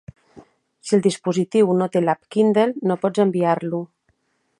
Si el dispositiu no té l'app Kindle, no pots enviar-lo.